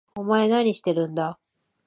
お前何してるんだ？